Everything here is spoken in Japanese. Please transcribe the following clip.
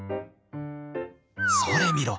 「それ見ろ！